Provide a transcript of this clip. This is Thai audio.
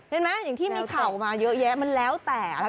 เห็นไหมอย่างที่มีเข่ามาเยอะมันแล้วแต่